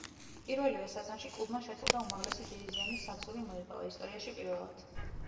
პირველივე სეზონში კლუბმა შეძლო და უმაღლესი დივიზიონის საგზური მოიპოვა, ისტორიაში პირველად.